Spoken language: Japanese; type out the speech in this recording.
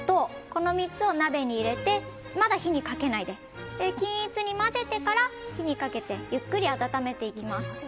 この３つを鍋に入れてまだ火にかけないで均一に混ぜてから火にかけてゆっくり温めていきます。